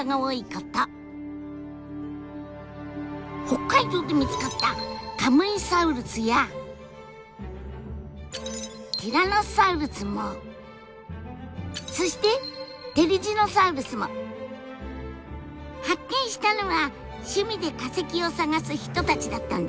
北海道で見つかったカムイサウルスやティラノサウルスもそしてテリジノサウルスも発見したのは趣味で化石を探す人たちだったんです。